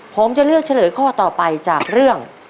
ผมจะเลือกเฉลยข้อต่อไปจากเรื่อง